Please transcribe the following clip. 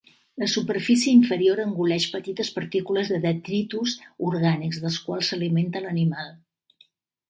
La superfície inferior engoleix petites partícules de detritus orgànics, dels quals s'alimenta l'animal.